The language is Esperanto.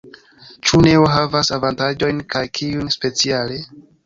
Ĉu Neo havas avantaĝojn kaj kiujn speciale?